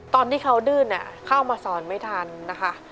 ตอนที่เขาดื้นเข้ามาสอนไม่ทันนะคะ